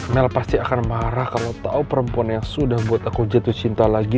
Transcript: mel pasti akan marah kalau tau perempuan yang sudah buat aku jatuh cinta lagi